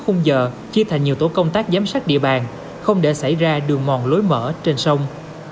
khung giờ chia thành nhiều tổ công tác giám sát địa bàn không để xảy ra đường mòn lối mở trên sông